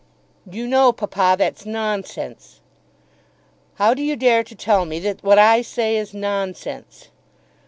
"You know, papa, that's nonsense." "How do you dare to tell me that what I say is nonsense?"